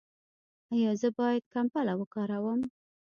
ایا زه باید کمپله وکاروم؟